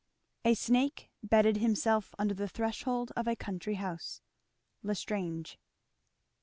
A snake bedded himself under the threshold of a country house. L'Estrange.